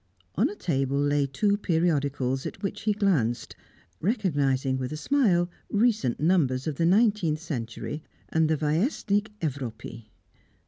On a table lay two periodicals, at which he glanced, recognising with a smile recent numbers of the Nineteenth Century and the Vyestnik Evropy.